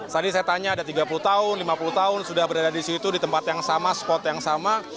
tadi saya tanya ada tiga puluh tahun lima puluh tahun sudah berada di situ di tempat yang sama spot yang sama